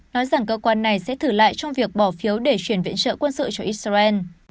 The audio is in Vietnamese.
nói rằng cơ quan này sẽ thử lại trong việc bỏ phiếu để chuyển viện trợ quân sự cho israel